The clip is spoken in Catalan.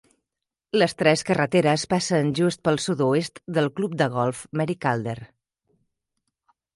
Les tres carreteres passen just pel sud-oest del Club de Golf Mary Calder.